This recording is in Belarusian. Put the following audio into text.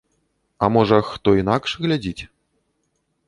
А можа, хто інакш глядзіць.